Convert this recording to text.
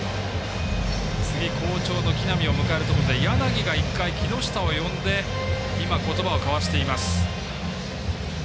次、好調の木浪を迎えるというところで柳が１回、木下を呼んで言葉を交わしています。